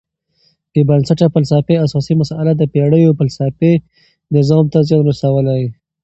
بېبنسټه فلسفي اساسي مسئله د پېړیو فلسفي نظام ته زیان رسولی.